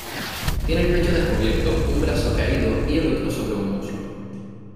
Tiene el pecho descubierto, un brazo caído y el otro sobre un muslo.